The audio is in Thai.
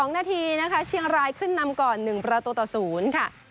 ๒นาทีเชียงรายขึ้นนำก่อน๑ประตูตะศูนย์